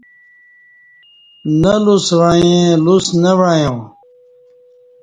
نہ لُس وعیں لُس نہ وعیاں